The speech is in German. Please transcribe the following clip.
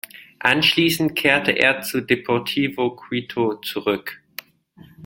Anschließend kehrte er zu Deportivo Quito zurück.